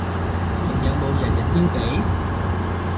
仲有冇日日撩鼻？